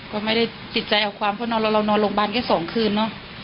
ก็ไม่ได้ติดใจเอาความเพราะเรานอนโรงพยาบาลแค่๒คืนเนอะ